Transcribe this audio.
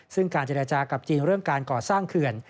ซึ่งการเจรจากับจีนเรื่องการก่อสร้างเขื่อน